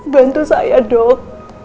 bantu saya dok